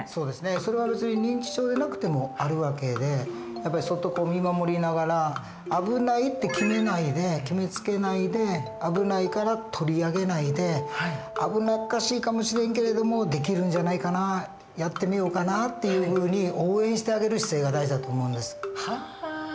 それは別に認知症でなくてもある訳でやっぱりそっと見守りながら危ないって決めないで決めつけないで危ないから取り上げないで危なっかしいかもしれんけれどもできるんじゃないかなやってみようかなっていうふうに応援してあげる姿勢が大事だと思うんです。